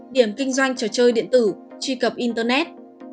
điểm kinh doanh trò chơi điện tử truy cập internet